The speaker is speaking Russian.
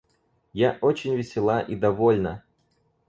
Я очень весела и довольна.